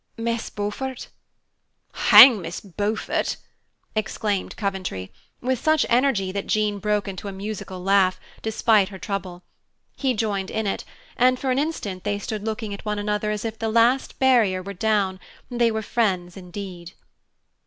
"Miss Beaufort." "Hang Miss Beaufort!" exclaimed Coventry, with such energy that Jean broke into a musical laugh, despite her trouble. He joined in it, and, for an instant they stood looking at one another as if the last barrier were down, and they were friends indeed.